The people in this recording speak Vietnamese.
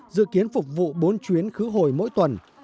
dự kiến phục vụ bốn chuyến khứ hồi mỗi tuần